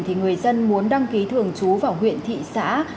thì người dân muốn đăng ký thường trú vào huyện thị xã